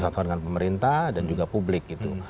dengan pemerintah dan juga publik gitu